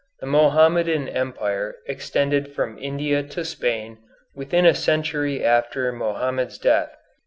The Mohammedan Empire extended from India to Spain within a century after Mohammed's death.